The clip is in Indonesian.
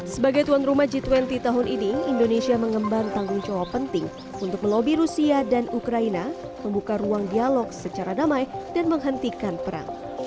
sebagai tuan rumah g dua puluh tahun ini indonesia mengembang tanggung jawab penting untuk melobi rusia dan ukraina membuka ruang dialog secara damai dan menghentikan perang